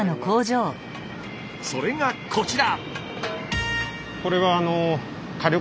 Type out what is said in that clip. それがこちら！